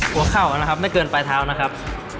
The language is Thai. เข้านะครับไม่เกินปลายเท้านะครับ